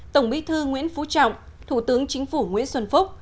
tổng bí thư nguyễn phú trọng thủ tướng chính phủ nguyễn xuân phúc